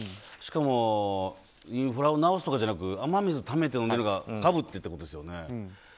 しかもインフラを直すとかじゃなく雨水ためて飲んでるからかぶってってことですよね。